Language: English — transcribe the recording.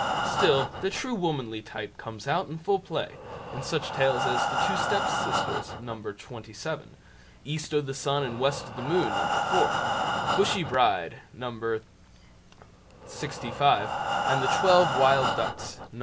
Still the true womanly type comes out in full play in such tales as "The Two Step Sisters", No. xvii; "East o' the Sun and West o' the Moon", No. iv; "Bushy Bride", No. xlv, and "The Twelve Wild Ducks", No.